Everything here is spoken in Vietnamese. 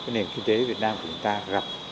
nền kinh tế việt nam của chúng ta gặp